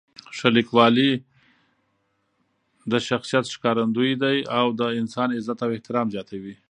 ښه لیکوالی د شخصیت ښکارندوی دی او د انسان عزت او احترام زیاتوي.